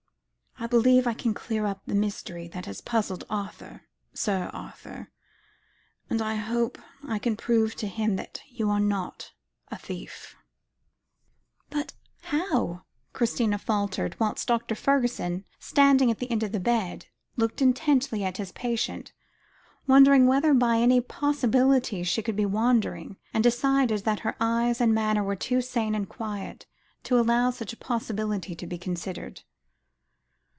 I believe I can clear up the mystery that has puzzled Arthur Sir Arthur and I hope I can prove to him that you are not a thief." "But how strange," Christina faltered, whilst Dr. Fergusson, standing at the end of the bed, looked intently at his patient, wondering whether by any possibility she could be wandering, and deciding that her eyes and manner were too sane and quiet, to allow such a possibility to be considered.